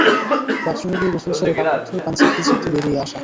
বাথরুমে গিয়ে গোসল সেরে কাপড় ধুয়ে পানি চিপতে চিপতে বেরিয়ে আসা।